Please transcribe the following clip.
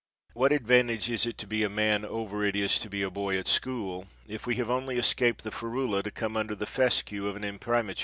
What advantage is it to be a man over it is to be a boy at school, if we have only escaped the ferula to come under the fescue of an Im primatur?